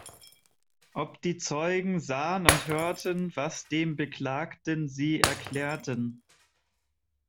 Ob die Zeugen sah'n und hörten, was dem Beklagten sie erklärten?